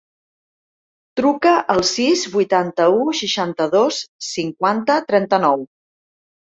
Truca al sis, vuitanta-u, seixanta-dos, cinquanta, trenta-nou.